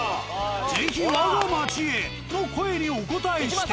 是非わが町への声にお応えして。